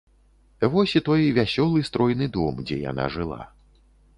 Вось і той вясёлы стройны дом, дзе яна жыла.